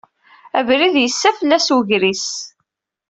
Abrid yessa fell-as wegris.